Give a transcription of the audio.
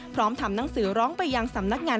พร้อมถามหนังสือร้องไปยังสำนักงาน